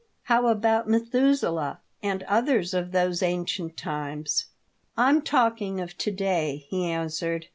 " How about Methusaleh, and others of those ancient times ?"" I'm talking of to day," he answered.